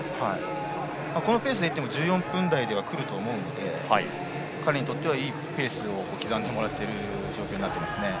このペースでいっても１４分台ではくると思うので彼にとってはいいペースを刻んでもらっている状況になっています。